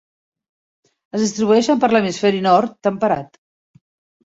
Es distribueixen per l'hemisferi Nord temperat.